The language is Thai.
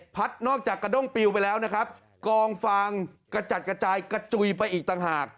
นอกจากกระด้งปิวไปแล้วนะครับกองฟางกระจัดกระจายกระจุยไปอีกต่างหาก